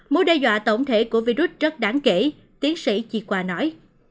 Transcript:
mối đe dọa tổng thể của virus rất đáng kể tiến sĩ chi qua nói